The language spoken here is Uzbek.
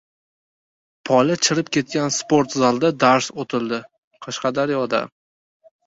Poli chirib ketgan sportzalda dars o‘tildi — Qashqadaryoda